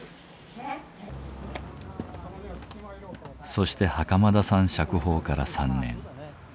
そして袴田さん釈放から３年。